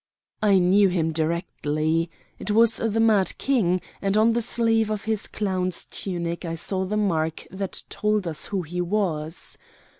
I knew him directly. It was the mad King, and on the sleeve of his clown's tunic I saw the mark that told us who he was.